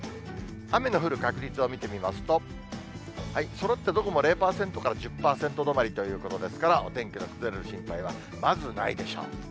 雨の降る確率を見てみますと、そろってどこも０％から１０％止まりということですから、お天気の崩れる心配はまずないでしょう。